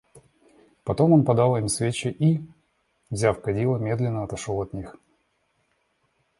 Потом он подал им свечи и, взяв кадило, медленно отошел от них.